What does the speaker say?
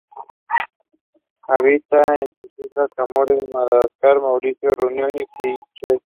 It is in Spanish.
Habita en las islas Comores, Madagascar, Mauricio, Reunión, y Seychelles.